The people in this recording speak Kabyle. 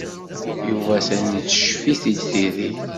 Yuba atan teccef-it tidi.